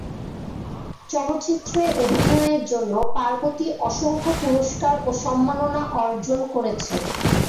চলচ্চিত্রে অভিনয়ের জন্য পার্বতী অসংখ্য পুরস্কার ও সম্মাননা অর্জন করেছেন।